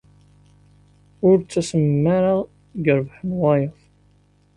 Ur ttasmem ara deg rrbeḥ n wayeḍ.